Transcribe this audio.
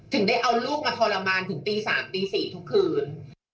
ถึงได้เอาลูกมาทรมานถึงตี๓ตี๔ทุกคืน